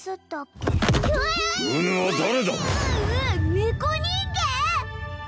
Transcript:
猫人間！？